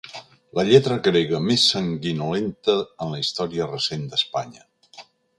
La lletra grega més sanguinolenta en la història recent d'Espanya.